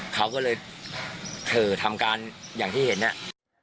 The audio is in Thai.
เขาก็เลยเถอะทำการอย่างที่เห็นเนี่ย